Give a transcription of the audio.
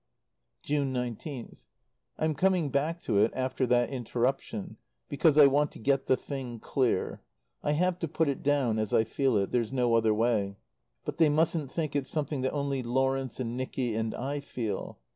June 19th. I'm coming back to it after that interruption because I want to get the thing clear. I have to put it down as I feel it; there's no other way. But they mustn't think it's something that only Lawrence and Nicky and I feel.